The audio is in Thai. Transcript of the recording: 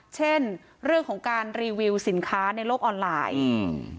เช่นเรื่องของการรีวิวสินค้าในโลกออนไลน์อืม